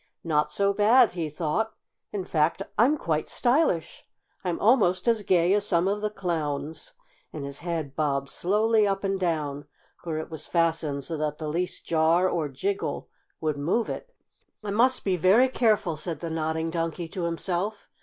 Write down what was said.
"Not so bad!" he thought. "In fact, I'm quite stylish. I'm almost as gay as some of the clowns." And his head bobbed slowly up and down, for it was fastened so that the least jar or jiggle would move it. "I must be very careful," said the Nodding Donkey to himself.